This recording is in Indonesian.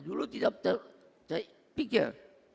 dulu tidak terpikir